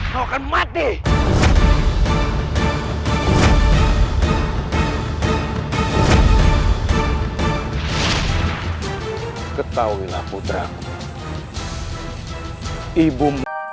kau akan mati ketahuinlah putra ibu